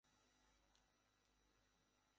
সমগ্র জলরাশি তরঙ্গের আকারের উপর নির্ভরশীল নয়।